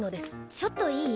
ちょっといい？